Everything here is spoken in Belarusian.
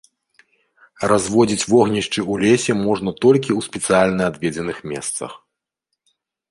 Разводзіць вогнішчы ў лесе можна толькі ў спецыяльна адведзеных месцах.